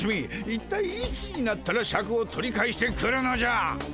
一体いつになったらシャクを取り返してくるのじゃ。